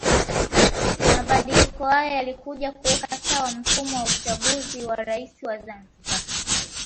Mabadiliko haya yalikuja kuweka sawa mfumo wa uchaguzi wa Rais wa Zanzibar